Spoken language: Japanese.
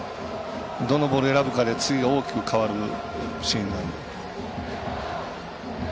どのボールを選ぶかで次が大きく変わるシーンです。